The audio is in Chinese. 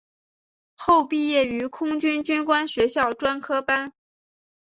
后毕业于空军军官学校专科班。